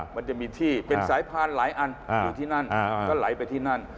มันจะมีที่เป็นสายพานหลายอันอยู่ที่นั่นก็ไหลไปที่นั่น